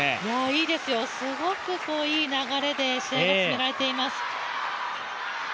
いいですよ、すごくいい流れで試合が進められています。